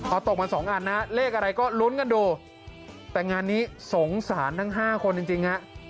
เอาตกมา๒อันนะเลขอะไรก็ลุ้นกันดูแต่งานนี้สงสารทั้ง๕คนจริงฮะ